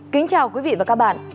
kính chào quý vị và các bạn